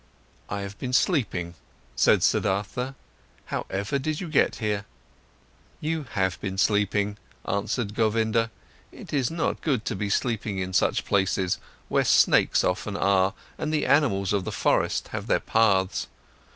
"I have been sleeping," said Siddhartha. "However did you get here?" "You have been sleeping," answered Govinda. "It is not good to be sleeping in such places, where snakes often are and the animals of the forest have their paths.